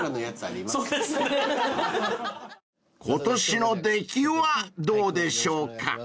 ［今年の出来はどうでしょうか？］